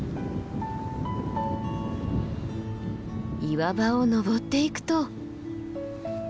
岩場を登っていくと。